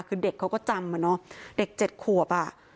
คือเด็กเขาก็จำอะเนาะเด็ก๗ขวบอ่ะ